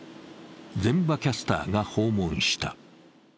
膳場キャスターが訪問した。